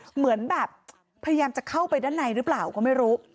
เหมือนแบบพยายามจะเข้าไปด้านในหรือเปล่าก็ไม่รู้